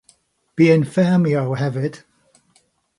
Bu'n ffermio hefyd.